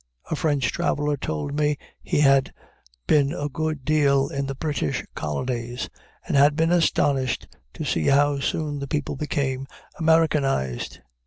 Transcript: A French traveler told me he had been a good deal in the British colonies, and had been astonished to see how soon the people became Americanized.